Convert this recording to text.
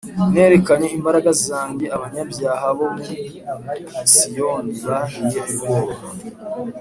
Nerekanye imbaraga zanjye Abanyabyaha bo muri Siyoni bahiye ubwoba